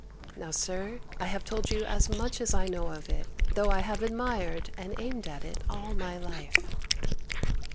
Now, sir, I have told you as much as I know of it, though I have admired and aimed at it all my life.